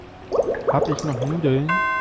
Habe ich noch Nudeln?